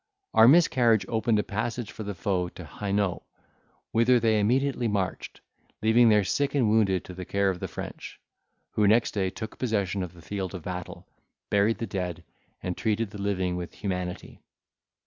Our miscarriage opened a passage for the foe to Haynau, whither they immediately marched, leaving their sick and wounded to the care of the French, who next day took possession of the field of battle, buried the dead, and treated the living with humanity.